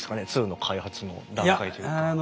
「２」の開発の段階というか。